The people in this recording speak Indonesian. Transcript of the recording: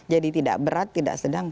jadi tidak berat tidak sedang